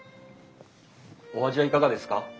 お味はいかがですか？